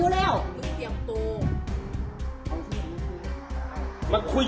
อาหารที่สุดท้าย